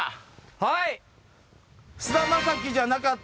はい！